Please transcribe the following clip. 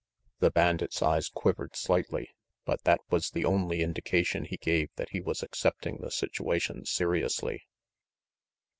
The bandit's eyes quivered slightly, but that was the only indication he gave that he was accepting the situation seriously.